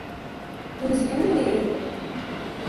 Bunisiga nima dey endi